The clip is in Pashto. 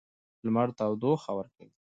لمر تودوخه ورکوي.